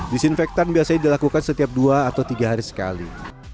disinfektan biasanya dilakukan setiap dua atau tiga hari sekali